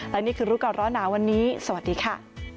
และนี่คือรู้ก่อนร้อนหนาวันนี้สวัสดีค่ะ